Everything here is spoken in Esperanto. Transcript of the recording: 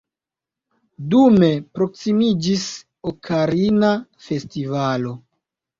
Dume proksimiĝis Okarina Festivalo.